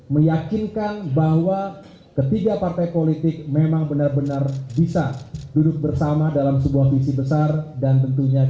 meyakinkan bahwa ketiga partai politik memang benar benar bisa duduk bersama dalam sebuah visi besar dan tentunya